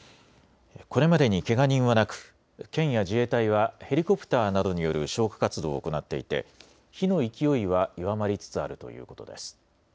これまでにけが人はなく県や自衛隊はヘリコプターなどによる消火活動を行っていて火の勢いは弱まりつつあるということです。